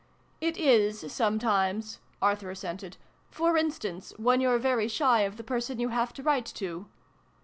"It is, sometimes," Arthur assented. " For instance, when you're very shy of the person you have to write to.'